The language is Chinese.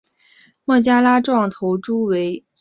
孟加拉壮头蛛为园蛛科壮头蛛属的动物。